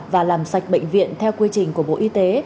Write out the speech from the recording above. và làm sạch bệnh viện theo quy trình của bộ y tế